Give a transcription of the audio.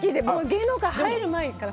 芸能界に入る前から。